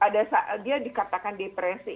dia dikatakan depresi